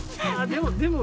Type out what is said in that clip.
でも！